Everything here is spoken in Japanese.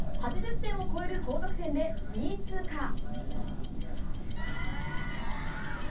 ８０点を超える高得点で２位通過。